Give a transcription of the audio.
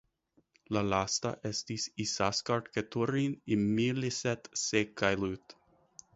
La lasta estis "Isaskar Keturin ihmeelliset seikkailut".